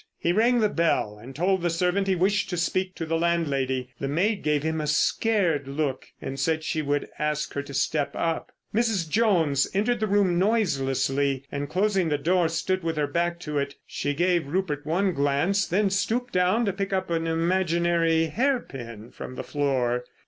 He rang the bell and told the servant he wished to speak to the landlady. The maid gave him a scared look and said she would ask her to step up. Mrs. Jones entered the room noiselessly, and, closing the door, stood with her back to it. She gave Rupert one glance, then stooped down to pick up an imaginary hairpin from the floor.